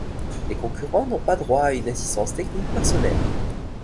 Les concurrents n'ont pas droit à une assistance technique personnelle.